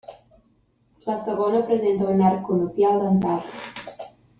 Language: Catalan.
La segona presenta un arc conopial dentat.